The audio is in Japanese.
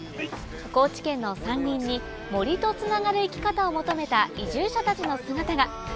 高知県の山林に森とつながる生き方を求めた移住者たちの姿が。